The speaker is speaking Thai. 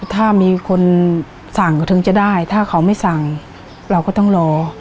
ถ้ามีคนสั่งก็ถึงจะได้ถ้าเขาไม่สั่งเราก็ต้องรอ